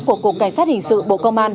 của cục cảnh sát hình sự bộ công an